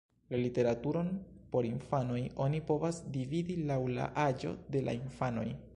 La literaturon por infanoj oni povas dividi laŭ la aĝo de la infanoj.